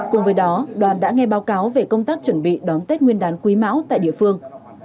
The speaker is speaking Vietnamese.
cùng với đó đoàn đã nghe báo cáo về công tác chuẩn bị đón tết nguyên đán quý mão tại địa phương